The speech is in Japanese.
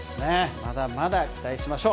まだまだ期待しましょう。